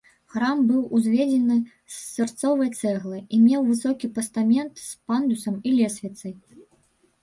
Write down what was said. Храм быў узведзены з сырцовай цэглы і меў высокі пастамент з пандусам і лесвіцай.